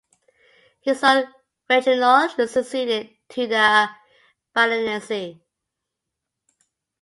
His son Reginald succeeded to the baronetcy.